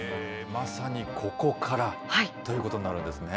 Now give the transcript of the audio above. まさにここからということになるんですね。